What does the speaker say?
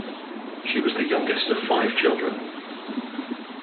She was the youngest of five children.